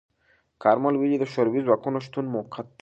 کارمل ویلي، د شوروي ځواکونو شتون موقت دی.